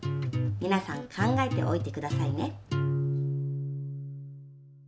皆さん考えておいて下さいね。